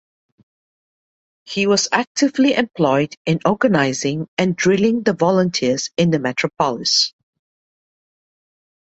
He was actively employed in organising and drilling the Volunteers in the metropolis.